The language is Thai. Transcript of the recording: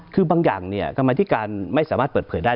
คือบางอย่างกรรมธิการไม่สามารถเปิดเผยได้